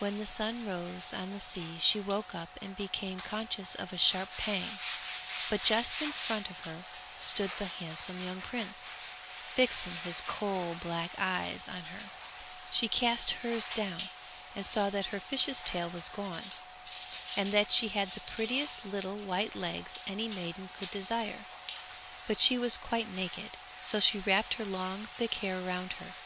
When the sun rose on the sea she woke up and became conscious of a sharp pang, but just in front of her stood the handsome young prince, fixing his coal black eyes on her; she cast hers down and saw that her fish's tail was gone, and that she had the prettiest little white legs any maiden could desire; but she was quite naked, so she wrapped her long thick hair around her.